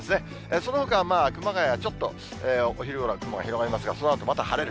そのほかは熊谷はちょっとお昼ごろは雲が広がりますが、そのあとまた晴れる。